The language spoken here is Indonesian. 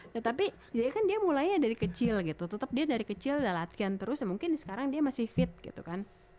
ya tapi dia kan mulainya dari kecil gitu tetep dia dari kecil udah latihan terus mungkin sekarang dia masih fit gitu kan